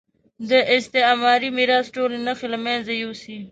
د استعماري میراث ټولې نښې له مېنځه یوسي.